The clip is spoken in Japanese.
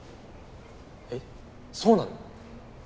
えっそうなの？